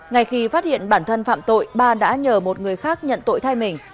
ngay khi phát hiện bản thân phạm tội ba đã nhờ một người khác nhận tội thay mình